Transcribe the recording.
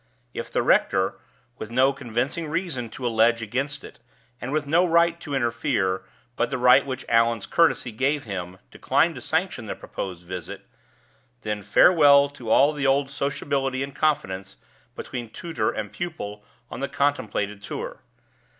If the rector, with no convincing reason to allege against it, and with no right to interfere but the right which Allan's courtesy gave him, declined to sanction the proposed visit, then farewell to all the old sociability and confidence between tutor and pupil on the contemplated tour.